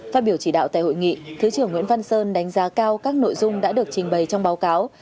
phát biểu chỉ đạo tại hội nghị thứ trưởng nguyễn văn sơn đánh giá cao các nội dung đã được trình bày trong báo cáo